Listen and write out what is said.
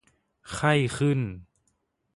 ไข้ขึ้น